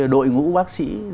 đội ngũ bác sĩ